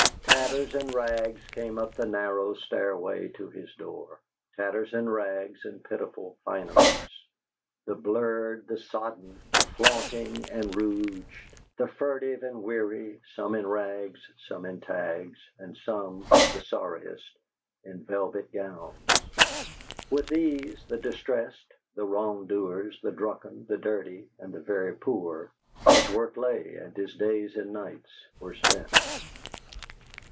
Tatters and rags came up the narrow stairway to his door tatters and rags and pitiful fineries: the bleared, the sodden, the flaunting and rouged, the furtive and wary, some in rags, some in tags, and some the sorriest in velvet gowns. With these, the distressed, the wrong doers, the drunken, the dirty, and the very poor, his work lay and his days and nights were spent.